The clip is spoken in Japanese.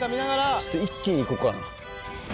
ちょっと一気に行こうかな。